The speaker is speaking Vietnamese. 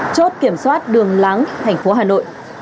chốt kiểm soát đường láng thành phố hà nội